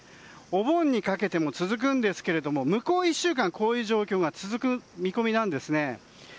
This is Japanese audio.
お盆にかけても続くんですけれども向こう１週間、こういう状況が続く見込みなんです。